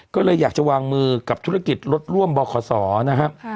ก็เลยอยากจะวางมือกับธุรกิจรถร่วมบขนะครับ